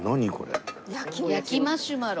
焼きマシュマロ。